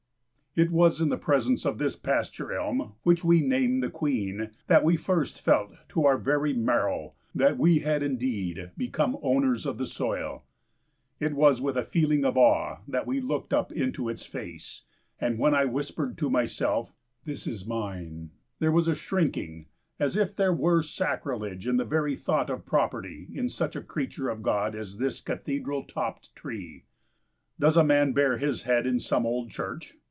It was in the presence of this pasture elm, which we name the Queen, that we first felt to our very marrow that we had indeed become owners of the soil! It was with a feeling of awe that we looked up into its face, and when I whispered to myself, "This is mine," there was a shrinking as if there were sacrilege in the very thought of property in such a creature of God as this cathedral topped tree! Does a man bare his head in some old church?